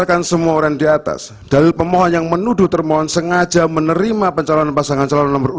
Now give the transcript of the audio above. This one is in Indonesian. teratas dalil pemohon yang menuduh termohon sengaja menerima pencalon pasangan calon nomor